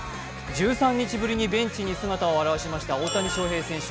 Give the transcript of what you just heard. １３日ぶりにベンチに姿を現しました大谷翔平選手。